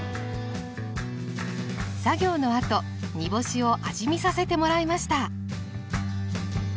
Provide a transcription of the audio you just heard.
作業のあと煮干しを味見させてもらいました。